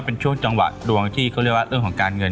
เป็นช่วงจังหวะดวงที่เขาเรียกว่าเรื่องของการเงิน